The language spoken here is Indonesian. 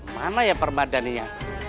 mana ya permadannya